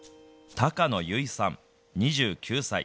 高野祐衣さん２９歳。